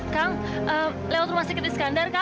kang lewat rumah sakit iskandar kah